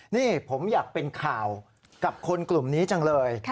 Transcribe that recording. นี่ผมอยากเป็นข่าวกับคนกลุ่มนี้จังเลย